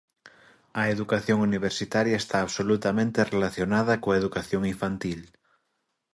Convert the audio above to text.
A educación universitaria está absolutamente relacionada coa educación infantil.